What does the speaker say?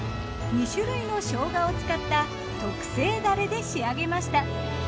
２種類の生姜を使った特製ダレで仕上げました。